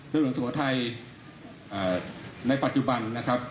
เรือหลวงศัพท์ไทยในปัจจุบัน